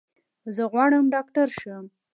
زه غواړم ډاکټر شم.